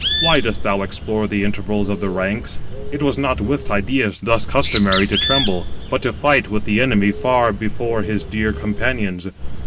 Why dost thou explore the intervals of the ranks? 186 It was not with Tydeus thus customary to tremble, but to fight with the enemy far before his dear companions.